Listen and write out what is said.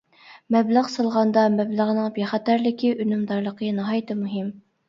مەبلەغ سالغاندا مەبلەغنىڭ بىخەتەرلىكى، ئۈنۈمدارلىقى ناھايىتى مۇھىم.